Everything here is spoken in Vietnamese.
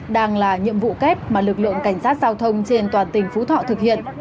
đang là nhiệm vụ kép mà lực lượng cảnh sát giao thông trên toàn tỉnh phú thọ thực hiện